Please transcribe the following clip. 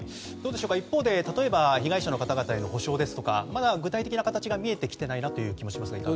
一方で、被害者の方々への補償ですとか具体的な形が見えてきていないなという気もしますが。